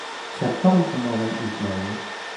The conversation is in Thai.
ฉันต้องทำอะไรอีกไหม